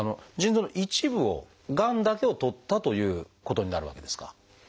腎臓の一部をがんだけをとったということになるわけですか？